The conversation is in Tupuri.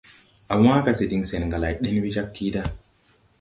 Á wãã ga se diŋ sɛn ga lay, ɗen we jag kiida.